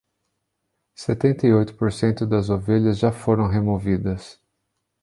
Setenta e oito por cento das ovelhas já foram removidas